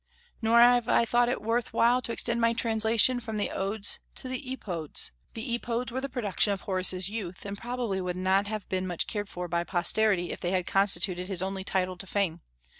Nor have I thought it worth while to extend my translation from the Odes to the Epodes. The Epodes were the production of Horace's youth, and probably would not have been much cared for by posterity if they had constituted his only title to fame.